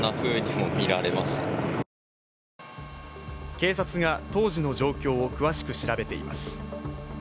警察が当時の状況を詳しく調べています。